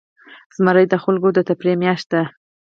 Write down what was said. زمری د خلکو د تفریح میاشت ده.